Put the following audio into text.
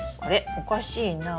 おかしいなあ。